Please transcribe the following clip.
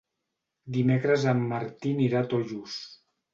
Dimecres en Martí anirà a Tollos.